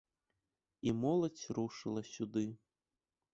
І моладзь рушыла сюды.